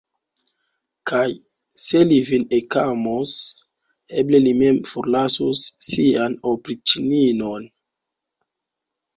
Kaj se li vin ekamos, eble li mem forlasos sian opriĉninon.